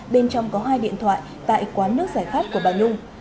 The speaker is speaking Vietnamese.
bên trong có hai điện thoại tại quán nước giải khát của bà nhung